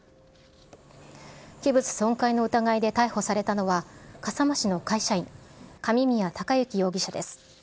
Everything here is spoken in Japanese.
器物損壊の疑いで逮捕されたのは、笠間市の会社員、上宮孝行容疑者です。